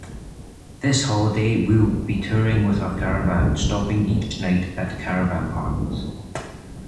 This holiday we’ll be touring with our caravan, stopping each night at caravan parks